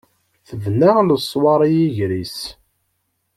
Tebna leṣwaṛ i yiger-is.